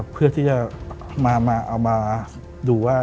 เพื่อที่จะมาดูว่า